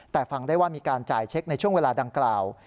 แต่ฟังได้ว่ามีการจ่ายเช็คในช่วงเวลาดังกล่าว